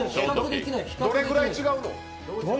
どれくらい違うの？